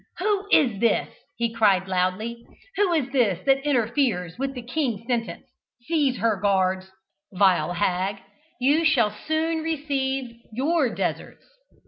"Who is this?" he cried loudly, "who is this that interferes with the King's sentence? Seize her, guards! Vile hag, you shall soon receive your deserts."